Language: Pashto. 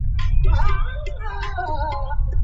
ساینس پوهنځۍ په ناقانونه توګه نه جوړیږي.